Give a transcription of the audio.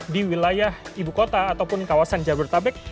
di wilayah ibu kota ataupun kawasan jabodetabek